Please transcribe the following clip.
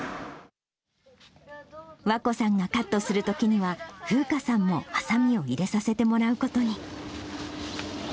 和恋さんがカットするときには、楓佳さんもはさみを入れさせてもらうことに。